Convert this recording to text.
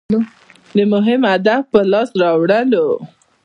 د مهم هدف په لاس راوړل.